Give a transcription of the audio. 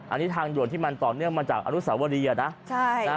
อันนี้ทางด่วนที่มันต่อเนื่องมาจากอนุสาวรีอะนะ